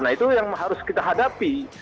nah itu yang harus kita hadapi